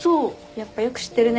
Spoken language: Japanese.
やっぱよく知ってるね。